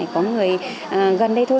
có người gần đây thôi